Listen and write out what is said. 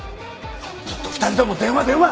ちょっと２人とも電話電話！